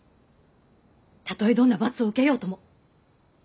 たとえどんな罰を受けようとも。